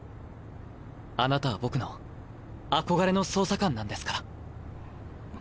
あなたは僕の憧れの捜査官なんですから。